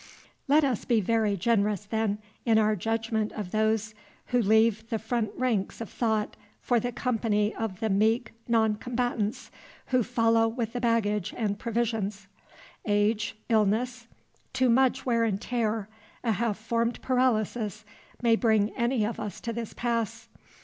Let us be very generous, then, in our judgment of those who leave the front ranks of thought for the company of the meek non combatants who follow with the baggage and provisions. Age, illness, too much wear and tear, a half formed paralysis, may bring any of us to this pass.